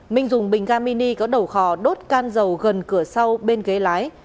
mình dùng bình cam mini có đầu khò đốt can dầu gần cửa sau bên ghế lái